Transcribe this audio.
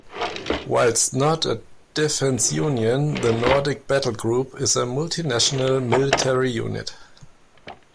Whilst not a defence union, the Nordic Battlegroup is a multi-national military unit.